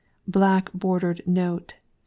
Black Bordered Note, 6d.